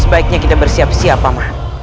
sebaiknya kita bersiap siap mama